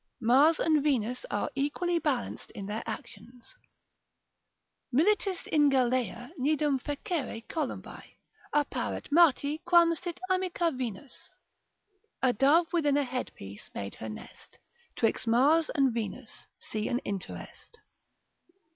Mars and Venus are equally balanced in their actions, Militis in galea nidum fecere columbae, Apparet Marti quam sit amica Venus. A dove within a headpiece made her nest, 'Twixt Mars and Venus see an interest.